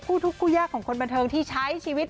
ทุกคู่ยากของคนบันเทิงที่ใช้ชีวิต